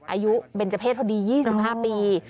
อายุเป็นเจ้าเพศพอดี๒๕ปี